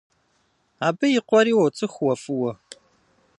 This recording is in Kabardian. Абы и къуэри уоцӏыху уэ фӏыуэ.